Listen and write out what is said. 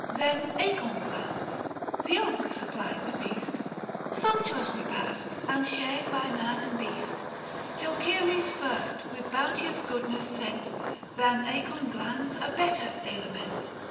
Then acorn glands — the oak supplied the feast — 445 Sumptuous repast ! and shared by man and beast ; Till Ceres first, with bounteous goodness, sent Than acorn glands a better aliment.